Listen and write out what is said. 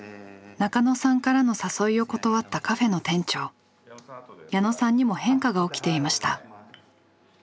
中野さんからの誘いを断ったカフェの店長矢野さんにも変化が起きていました。